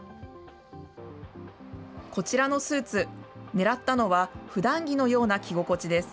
こちらのスーツ、ねらったのは、ふだん着のような着心地です。